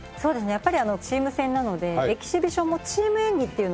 やっぱりチーム戦なのでエキシビションもチーム演技っていうのが。